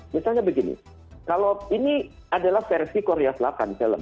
misalnya begini kalau ini adalah versi korea selatan film